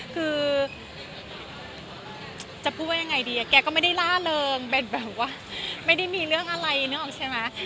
คือจะพูดว่ายังไงดีแกก็ไม่ได้ล่าเริงเป็นแบบว่าไม่ได้มีเรื่องอะไรนึกออกใช่ไหม